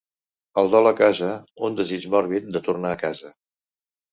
El dol a casa, un desig mòrbid de tornar a casa.